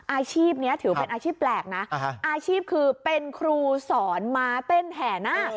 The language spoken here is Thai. อาชีพนี้ถือเป็นอาชีพแปลกนะอาชีพคือเป็นครูสอนม้าเต้นแห่นาค